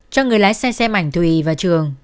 cho người lái xe xem ảnh thùy và trường